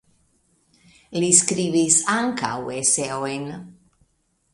Li skribis ankaŭ eseojn.